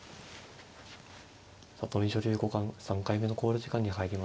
里見女流五冠３回目の考慮時間に入りました。